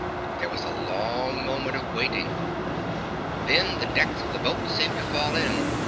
There was a long moment of waiting. Then the decks of the boat seemed to fall in.